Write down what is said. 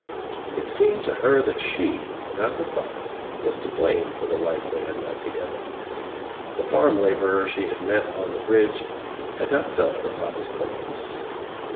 It seemed to her that she, not her father, was to blame for the life they had led together. The farm laborer she had met on the UNLIGHTED LAMPS ^^ridge had not felt her father's coldness.